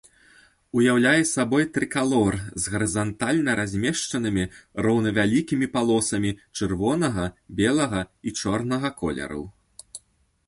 Уяўляе сабой трыкалор з гарызантальна размешчанымі роўнавялікімі палосамі чырвонага, белага і чорнага колераў.